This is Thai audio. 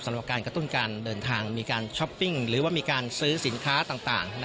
สำหรับการกระตุ้นการเดินทางมีการช้อปปิ้งหรือว่ามีการซื้อสินค้าต่าง